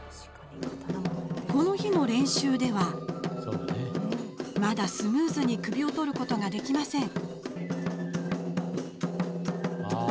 この日の練習ではまだスムーズに首を取ることができません。